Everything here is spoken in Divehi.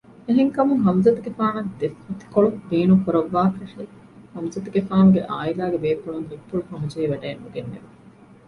އެހެންކަމުން ޙަމްޒަތުގެފާނަށް ދެފޮތިކޮޅު ބޭނުންކުރައްވާކަށެއް ޙަމްޒަތުގެފާނުގެ ޢާއިލާގެ ބޭފުޅުން ހިތްޕުޅުހަމަޖެހިވަޑައެއް ނުގެންނެވި